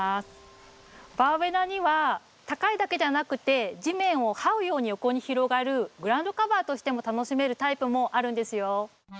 バーベナには高いだけじゃなくて地面を這うように横に広がるグラウンドカバーとしても楽しめるタイプもあるんですよ。